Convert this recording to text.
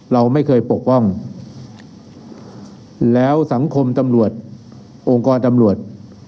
เราไม่เคยปกป้องแล้วสังคมตำรวจองค์กรตำรวจ